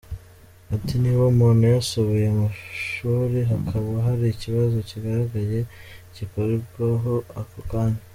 Ati “Niba umuntu yasuye amashuri hakaba hari ikibazo kigaragaye gikorweho ako kanya.